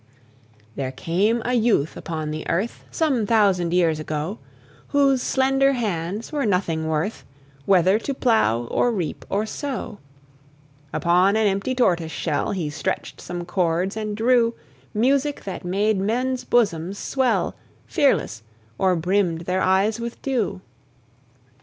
(1819 91.) There came a youth upon the earth, Some thousand years ago, Whose slender hands were nothing worth, Whether to plow, or reap, or sow. Upon an empty tortoise shell He stretched some chords, and drew Music that made men's bosoms swell Fearless, or brimmed their eyes with dew.